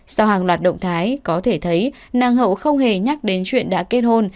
sau hàng loạt động thái có thể thấy nang hậu không hề nhắc đến chuyện đã kết hôn